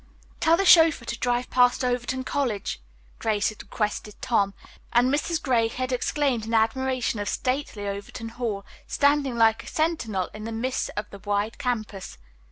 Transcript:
"Tell the chauffeur to drive past Overton College," Grace had requested Tom, and Mrs. Gray had exclaimed in admiration of stately Overton Hall, standing like a sentinel in the midst of the wide campus.